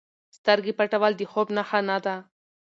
سترګې پټول د خوب نښه نه ده.